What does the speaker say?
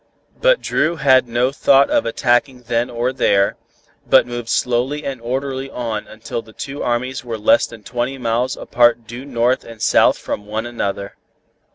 But Dru had no thought of attacking then or there, but moved slowly and orderly on until the two armies were less than twenty miles apart due north and south from one another.